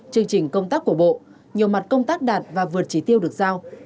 chương trình công tác của bộ nhiều mặt công tác đạt và vượt trí tiêu được giao